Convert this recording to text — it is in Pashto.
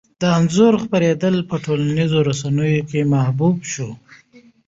د انځور خپرېدل په ټولنیزو رسنیو کې محبوب شو.